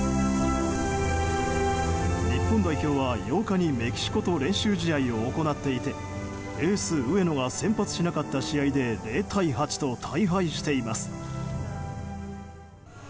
日本代表は８日にメキシコと練習試合を行っていてエース上野が先発しなかった試合で０対８と大敗しています。